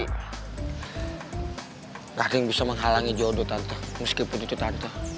mungkin bisa menghalangi jodoh tante meskipun itu tante